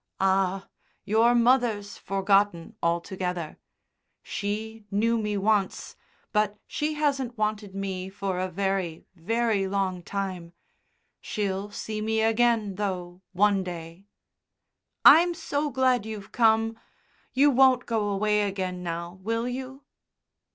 "Ah! your mother's forgotten altogether. She knew me once, but she hasn't wanted me for a very, very long time. She'll see me again, though, one day." "I'm so glad you've come. You won't go away again now, will you?"